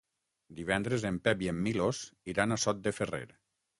Divendres en Pep i en Milos iran a Sot de Ferrer.